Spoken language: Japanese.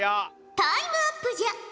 タイムアップじゃ。